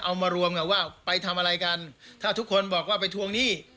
เอามารวมกันว่าไปทำอะไรกันถ้าทุกคนบอกว่าไปทวงหนี้